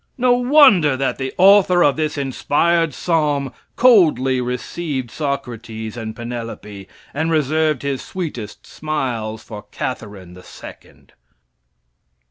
No wonder that the author of this inspired Psalm coldly received Socrates and Penelope, and reserved his sweetest smiles for Catharine the Second!